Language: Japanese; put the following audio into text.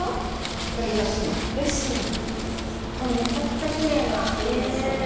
これめちゃくちゃキレイな色ですよね。